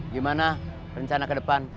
gimana rencana ke depan